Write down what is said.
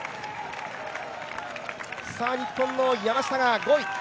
日本の山下が５位。